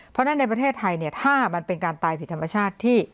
เพราะฉะนั้นในประเทศไทยเนี่ยถ้ามันเป็นการตายผิดธรรมชาติที่